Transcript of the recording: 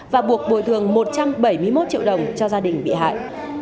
và buộc bồi thường một trăm bảy mươi một triệu đồng cho gia đình bị hại